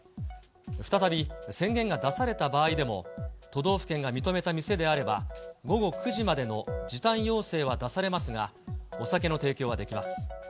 再び宣言が出された場合でも、都道府県が認めた店であれば、午後９時までの時短要請は出されますが、お酒の提供はできます。